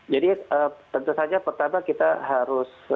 jadi tentu saja pertama kita harus